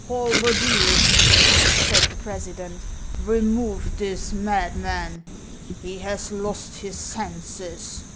"Halberdiers," said the president, "remove this madman; he has lost his senses."